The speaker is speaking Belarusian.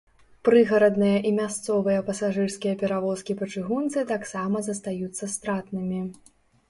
Прыгарадныя і мясцовыя пасажырскія перавозкі па чыгунцы таксама застаюцца стратнымі.